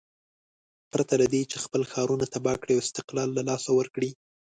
پرته له دې چې خپل ښارونه تباه کړي او استقلال له لاسه ورکړي.